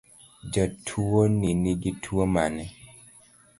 Jatuoni nigi Tuo mane?